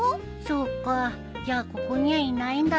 そっかじゃあここにはいないんだね。